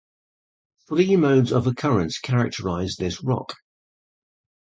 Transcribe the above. Three modes of occurrence characterize this rock.